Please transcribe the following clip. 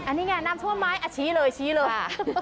อันนี้ไงน้ำท่วมไม้อ่ะชี้เลยค่ะ